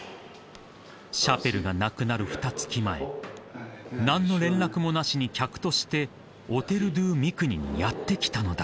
［シャペルが亡くなるふたつき前何の連絡もなしに客としてオテル・ドゥ・ミクニにやって来たのだ］